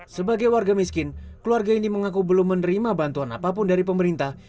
sebagai warga miskin keluarga ini mengaku belum menerima bantuan apapun dari pemerintah